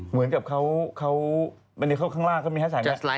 เหมือนกับเขาเขาอันนี้เขาข้างล่างมีภาษาอย่างแบบนี้